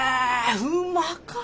うまかぁ！